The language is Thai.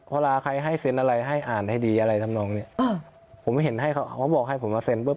เวลาใครให้เซ็นอะไรให้อ่านให้ดีอะไรทำนองเนี้ยอ่าผมเห็นให้เขาเขาบอกให้ผมมาเซ็นปุ๊บ